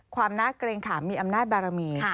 ความน่าเกรงขามมีอำนาจบารมี